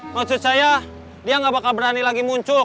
maksud saya dia nggak bakal berani lagi muncul